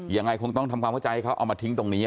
ยังไงคงต้องทำความเข้าใจให้เขาเอามาทิ้งตรงนี้